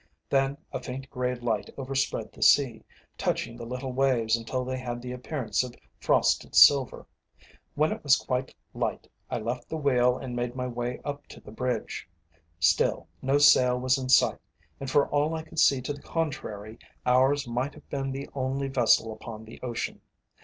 Then a faint grey light overspread the sea, touching the little waves until they had the appearance of frosted silver. When it was quite light I left the wheel and made my way up to the bridge. Still no sail was in sight, and for all I could see to the contrary, ours might have been the only vessel upon the ocean.